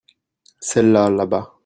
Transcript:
Celles-là là-bas.